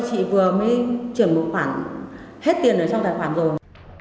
chị vừa mới chuyển một khoản hết tiền ở trong tài khoản rồi